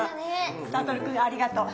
サトルくんありがとう。